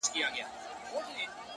ټوله نــــړۍ راپسي مه ږغوه.!